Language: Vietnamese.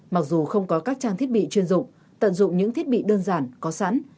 mặc dù không có các trang thiết bị chuyên dụng tận dụng những thiết bị đơn giản có sẵn